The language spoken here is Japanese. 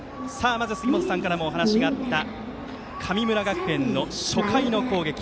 まず、杉本さんからもお話があった神村学園の初回の攻撃。